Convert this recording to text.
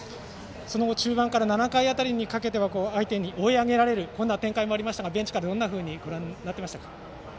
中盤から７回辺りにかけては相手に追い上げられる展開でもありましたがベンチからどんなふうにご覧になっていましたか。